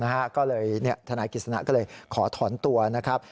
ก็เลยทนายกิจสนะก็เลยขอถอนตัวนะครับ